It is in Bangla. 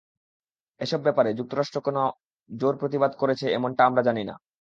এসব ব্যাপারে যুক্তরাষ্ট্র কোনো জোর প্রতিবাদ করেছে এমনটা আমরা জানি না।